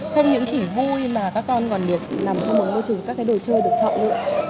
không những chỉ vui mà các con còn được nằm trong một môi trường các cái đồ chơi được chọn lựa